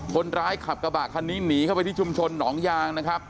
คนขับกระบะคันนี้หนีเข้าไปที่ชุมชนหนองยางนะครับ